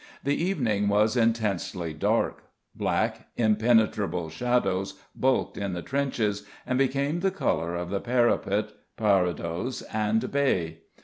The evening was intensely dark; black, impenetrable shadows bulked in the trenches and became the colour of the parapet, parados and bay.